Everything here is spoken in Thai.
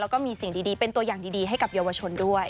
แล้วก็มีสิ่งดีเป็นตัวอย่างดีให้กับเยาวชนด้วย